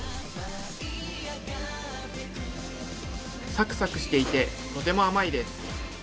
サクサクしていてとても甘いです。